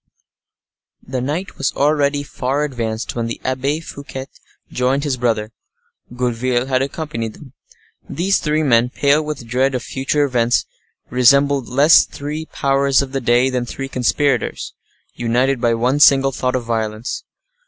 The night was already far advanced when the Abbe Fouquet joined his brother. Gourville had accompanied him. These three men, pale with dread of future events, resembled less three powers of the day than three conspirators, united by one single thought of violence.